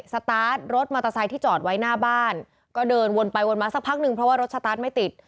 สตาร์ทรถมอเตอร์ไซค์ที่จอดไว้หน้าบ้านก็เดินวนไปวนมาสักพักหนึ่งเพราะว่ารถสตาร์ทไม่ติด